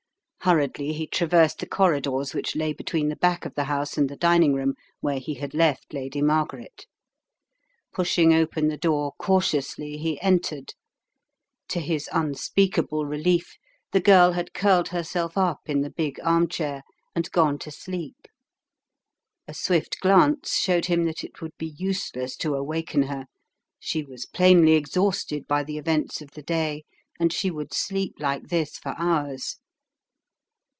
Hurriedly he traversed the corridors which lay between the back of the house and the dining room where he had left Lady Margaret. Pushing open the door cautiously, he entered. To his unspeakable relief the girl had curled herself up in the big arm chair and gone to sleep. A swift glance showed him that it would be useless to awaken her; she was plainly exhausted by the events of the day, and she would sleep like this for hours.